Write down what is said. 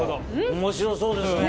面白そうですね。